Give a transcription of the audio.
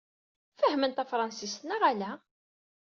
Fehhmen tafṛansist, neɣ ala?